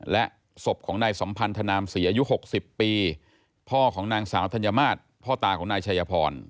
และศพของนายสัมพันธนามศรีอายุ๖๐ปีพ่อของนางสาวธัญมาตรพ่อตาของนายชัยพร